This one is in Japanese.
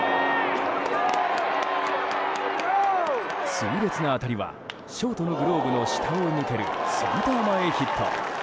痛烈な当たりはショートのグローブの下を抜けるセンター前ヒット。